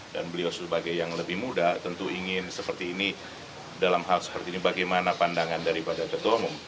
dan beliau sebagai yang lebih muda tentu ingin seperti ini dalam hal seperti ini bagaimana pandangan daripada ketua umarudin